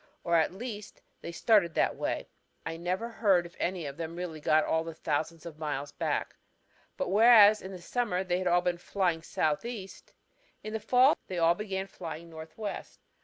Or at least they started that way. I never heard if any of them really got all the thousand of miles back. But whereas in the summer they had all been flying southeast, in the fall they all began flying northwest.